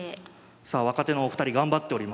さあ若手のお二人頑張っております。